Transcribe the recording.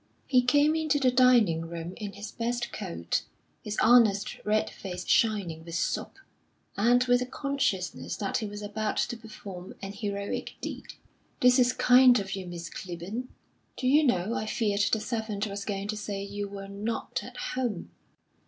He came into the dining room in his best coat, his honest red face shining with soap, and with a consciousness that he was about to perform an heroic deed. "This is kind of you, Miss Clibborn! Do you know, I feared the servant was going to say you were 'not at home.'"